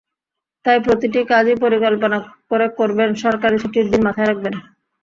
তাই প্রতিটি কাজই পরিকল্পনা করে করবেন, সরকারি ছুটির দিন মাথায় রাখবেন।